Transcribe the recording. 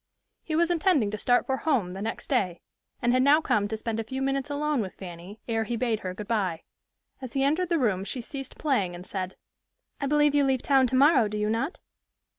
He was intending to start for home the next day, and had now come to spend a few minutes alone with Fanny ere he bade her good by. As he entered the room she ceased playing, and said, "I believe you leave town tomorrow, do you not?"